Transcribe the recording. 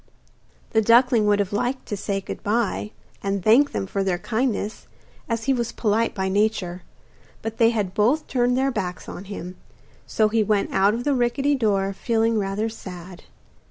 The duckling would have liked to say good bye, and thank them for their kindness, as he was polite by nature; but they had both turned their backs on him, so he went out of the rickety door feeling rather sad.